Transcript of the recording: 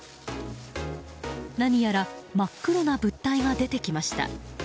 何やら真っ黒な物体が出てきました。